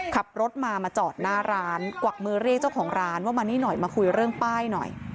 ขับรถมามาจอดหน้าร้านกวักมือเรียกเจ้าของร้านว่ามานี่หน่อยมาคุยเรื่องป้ายหน่อย